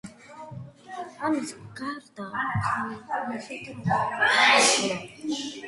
ამას გარდა, ქალაქში თავმოყრილია წამლების და ეთერზეთების დამამზადებელი საწარმოები.